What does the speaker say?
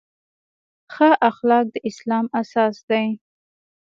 ښه اخلاق د اسلام اساس دی.